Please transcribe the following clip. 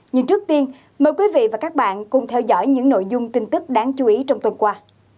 nhưng trước tiên mời quý vị và các bạn cùng theo dõi những nội dung tin tức đáng chú ý trong tuần qua